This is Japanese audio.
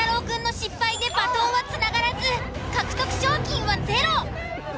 くんの失敗でバトンはつながらず獲得賞金はゼロ。